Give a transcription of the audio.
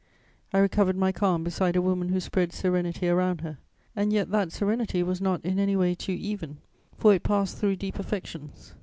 I recovered my calm beside a woman who spread serenity around her; and yet that serenity was not in any way too even, for it passed through deep affections.